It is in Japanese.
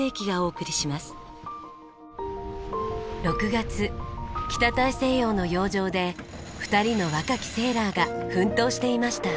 ６月北大西洋の洋上で２人の若きセーラーが奮闘していました。